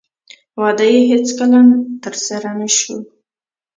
واده یې هېڅکله ترسره نه شو